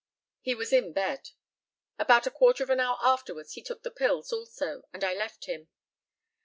He was in bed. About a quarter of an hour afterwards he took the pills also, and I left him.